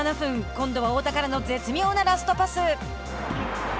今度は、太田からの絶妙なラストパス。